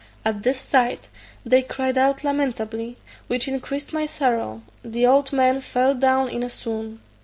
At this sight they cried out lamentably, which increased my sorrow: the old man fell down in a swoon.